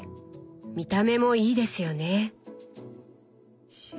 見た目もいいですよね。